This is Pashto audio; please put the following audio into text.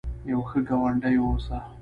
یو ښه ګاونډي اوسه